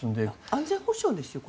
安全保障ですよね